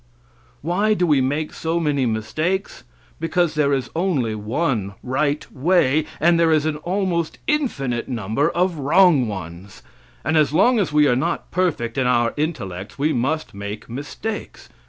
Why do we make so many mistakes? Because there is only one right way, and there is an almost infinite number of wrong ones; and as long as we are not perfect in our intellects we must make mistakes.